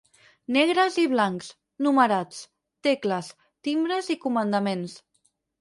Negres i blancs, numerats, tecles, timbres i comandaments.